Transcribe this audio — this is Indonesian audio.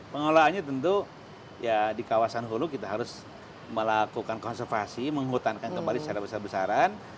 pengelolaannya tentu ya di kawasan hulu kita harus melakukan konservasi menghutankan kembali secara besar besaran